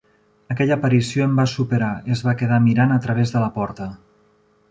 Aquella aparició em va superar: es va quedar mirant a través de la porta.